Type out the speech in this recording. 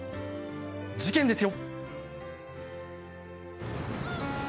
事件ですよ。